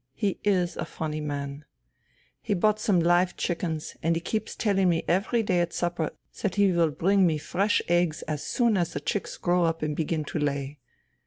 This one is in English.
He is a funny man. He bought some live chickens, and he keeps teUing me every day at supper that he will bring me fresh eggs as soon as the chicks grow up and begin to lay.